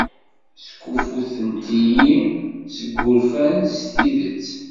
Skuffutent-iyi seg wurfan s tidet.